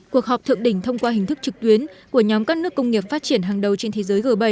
cuộc họp thượng đỉnh thông qua hình thức trực tuyến của nhóm các nước công nghiệp phát triển hàng đầu trên thế giới g bảy